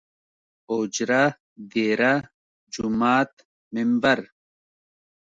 اوجره ، ديره ،جومات ،ممبر